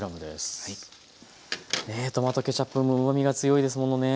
ねえトマトケチャップもうまみが強いですものね。